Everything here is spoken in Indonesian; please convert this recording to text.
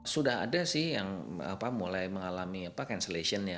sudah ada sih yang mulai mengalami cancellation ya